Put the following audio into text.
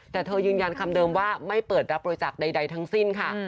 แต่เธอยืนยันคำเดิมว่าไม่เปิดรับบริจาคใดทั้งสิ้นค่ะ